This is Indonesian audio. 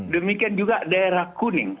demikian juga daerah kuning